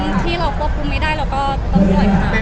วันที่เราควบคุมไม่ได้เราก็ต้องหมดค่ะ